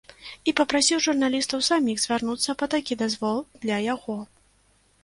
І папрасіў журналістаў саміх звярнуцца па такі дазвол для яго.